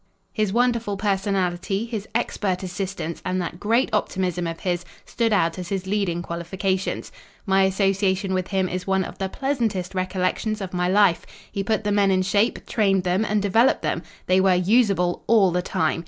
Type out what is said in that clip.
His wonderful personality, his expert assistance and that great optimism of his stood out as his leading qualifications. My association with him is one of the pleasantest recollections of my life. He put the men in shape, trained them and developed them. They were 'usable' all the time.